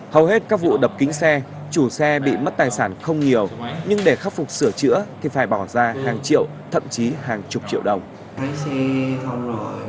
hầu hết các vụ đập kính xe chủ xe bị mất tài sản không nhiều nhưng để khắc phục sửa chữa thì phải bỏ ra hàng triệu thậm chí hàng chục triệu đồng